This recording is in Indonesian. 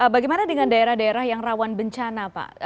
bagaimana dengan daerah daerah yang rawan bencana pak